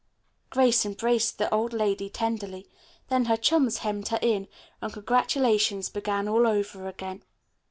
Grace embraced the old lady tenderly. Then her chums hemmed her in, and congratulations began all over again.